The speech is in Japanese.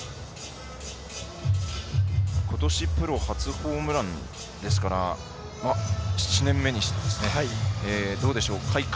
ことしプロ初ホームランですから７年目にしてどうでしょうか